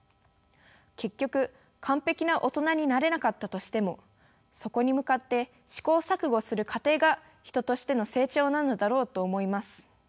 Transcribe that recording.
結局完璧な大人になれなかったとしてもそこに向かって試行錯誤する過程が人としての成長なのだろうと思います。